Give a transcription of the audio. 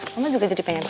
mama juga jadi pengen tahu